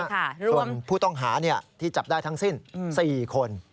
ส่วนผู้ต้องหาที่จับได้ทั้งสิ้น๔คน